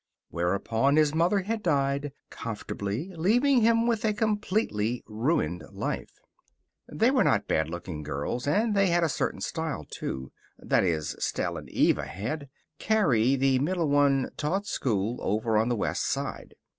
Whereupon his mother had died, comfortably, leaving him with a completely ruined life. They were not bad looking girls, and they had a certain style, too. That is, Stell and Eva had. Carrie, the middle one, taught school over on the West Side.